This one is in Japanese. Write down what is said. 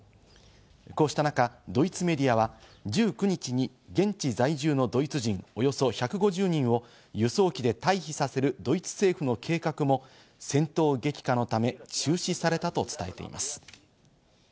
こうした中、ドイツメディアは、１９日に現地在住のドイツ人およそ１５０人を輸送機で退避させるドイツ政府の計画も戦闘激化のため中止されたと伝えています。